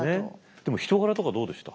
でも人柄とかどうでした？